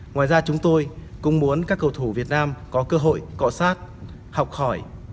ngoài ra chúng tôi cũng muốn các cầu thủ việt nam có cơ hội cọ sát học hỏi